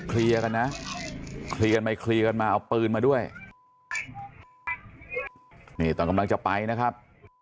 คลีกันมาคลีกันมาเอาปืนมาด้วยตอนกำลังจะไปนะครับ